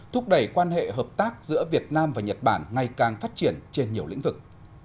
thúc đẩy quan hệ hợp tác giữa việt nam và nhật bản ngày càng phát triển trên nhiều lĩnh vực